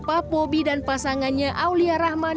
pak bobi dan pasangannya aulia rahman